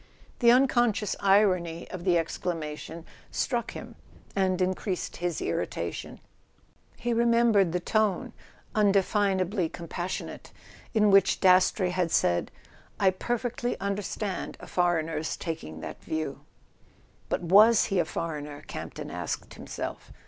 The unconscious irony of the exclamation struck him, and increased his irritation. He remembered the tone—undefinably compassionate—in which Dastrey had said: "I perfectly understand a foreigner's taking that view" ... But was he a foreigner, Camp ton asked himself?